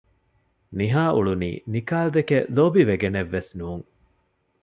ނިހާ އުޅުނީ ނިކާލްދެކެ ލޯބިވެގެނެއްވެސް ނޫން